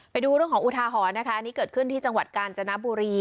ไปดูเรื่องของอุทาหรณ์นะคะอันนี้เกิดขึ้นที่จังหวัดกาญจนบุรี